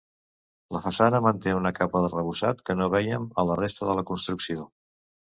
La façana manté una capa d'arrebossat que no veiem a la resta de la construcció.